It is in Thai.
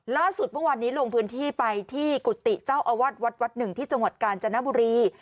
ล่าสุดวันวันนี้ลงพื้นที่ไปที่กุฏิเจ้าอวาดวัด๑ที่จงหวัดกาลจนบุรี